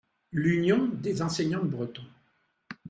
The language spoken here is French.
L'Union des Enseignants de Breton.